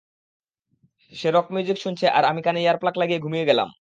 সে rock music শুনছে আর আমি কানে ইয়ারপ্লাক লাগিয়ে ঘুমিয়ে গেলাম।